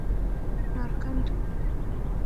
نارکند